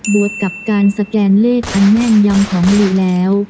วกกับการสแกนเลขอันแม่นยำของหลีแล้ว